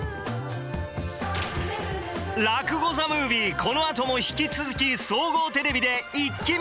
このあとも引き続き総合テレビでイッキ見